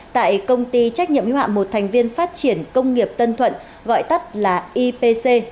tại công ty trách nhiệm hữu hạm một thành viên phát triển công nghiệp tân thuận gọi tắt là ipc